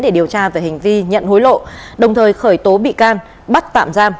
để điều tra về hành vi nhận hối lộ đồng thời khởi tố bị can bắt tạm giam